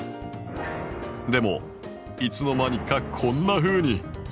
でもいつの間にかこんなふうに。